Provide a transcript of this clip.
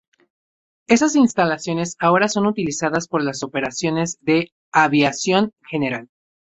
Esas instalaciones ahora son utilizadas por las operaciones de aviación general.